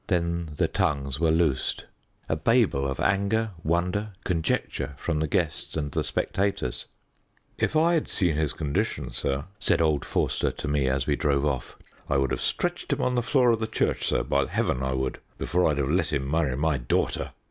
Then the tongues were loosed. A babel of anger, wonder, conjecture from the guests and the spectators. "If I'd seen his condition, sir," said old Forster to me as we drove off, "I would have stretched him on the floor of the church, sir, by Heaven I would, before I'd have let him marry my daughter!"